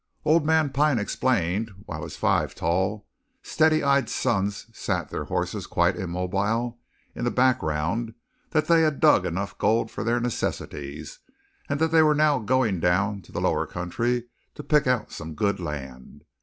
Old man Pine explained, while his five tall, steady eyed sons sat their horses quite immobile in the background, that they had dug enough gold for their necessities, and that they were now going down to the lower country to pick out some good land.